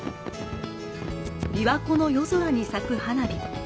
琵琶湖の夜空に咲く花火。